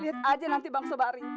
lihat aja nanti bang sobari